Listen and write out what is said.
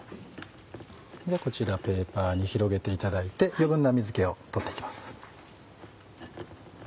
こちらペーパーに広げていただいて余分な水気を取って行きます。